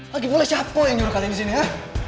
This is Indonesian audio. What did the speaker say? lagipula siapa yang nyuruh kalian disini ya